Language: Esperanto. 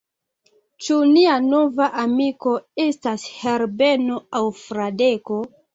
Ĉu nia nova amiko estas Herbeno aŭ Fradeko?